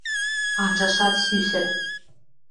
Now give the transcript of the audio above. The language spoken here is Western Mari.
Анжашат сӱсӹр.